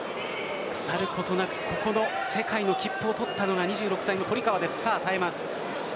腐ることなくここの世界の切符を取ったのが２６歳の堀川です。